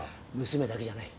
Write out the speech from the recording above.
娘だけじゃない。